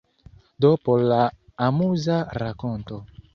Do por la amuza rakonto.